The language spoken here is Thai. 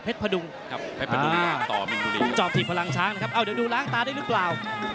พดุงกับเพชรพดุงจอบถีบพลังช้างนะครับเอ้าเดี๋ยวดูล้างตาได้หรือเปล่า